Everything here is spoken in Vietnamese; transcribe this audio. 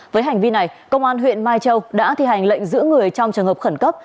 với hành vi này công an huyện mai châu đã thi hành lệnh giữ người trong trường hợp khẩn cấp